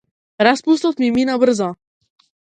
Распустот ми мина брзо.